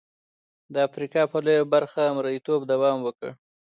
د افریقا په لویه برخه مریتوب دوام وکړ.